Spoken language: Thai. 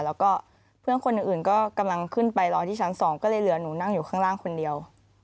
แล้วก็เพื่อนคนอื่นก็กำลังขึ้นไปรอที่ชั้น๒ก็เลยเหลือหนูนั่งอยู่ข้างล่างคนเดียว